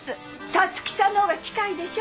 皐月さんのほうが近いでしょ？